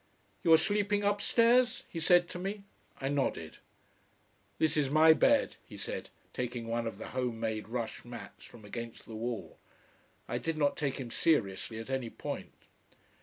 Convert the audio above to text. "You are sleeping upstairs?" he said to me. I nodded. "This is my bed," he said, taking one of the home made rush mats from against the wall. I did not take him seriously at any point.